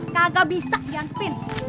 kagak bisa diantepin